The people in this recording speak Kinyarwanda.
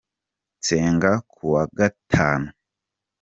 nsenga kuwa gatanu